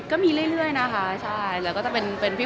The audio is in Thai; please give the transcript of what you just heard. ก็มีเรื่อยนะคะพี่เฟิร์กก็จะมาปรึกษาว่ายังไงดี